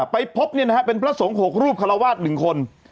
ไปพบเป็นพระสงค์หกรูปคาลาวาสหนึ่งคน